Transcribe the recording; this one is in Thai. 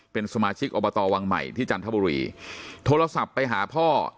เป็นสมาชิกอบตวังใหม่ที่จันทบุรีโทรศัพท์ไปหาพ่อ